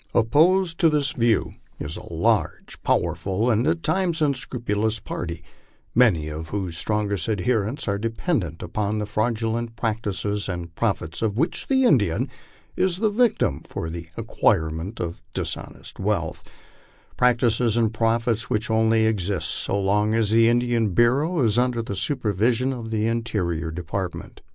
Opposed to this view is a large, powerful, and at times unscrupulous party, many of whose strongest adherents are depend ent upon the fraudulent practices and profits of which the Indian is the victim for the acquirement of dishonest wealth practices and profits which only ex ist so long as the Indian Bureau is under the supervision of the Interior Depart ment.